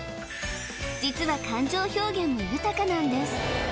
実は感情表現も豊かなんです